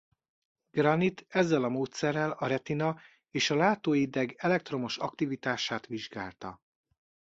Granit ezzel a módszerrel a retina és a látóideg elektromos aktivitását vizsgálta.